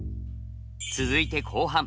続いて後半。